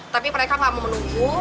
tapi mereka nggak mau menunggu